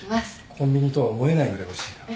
コンビニとは思えないぐらいおいしいから。